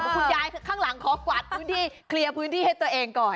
คุณยายข้างหลังขอกวาดพื้นที่เคลียร์พื้นที่ให้ตัวเองก่อน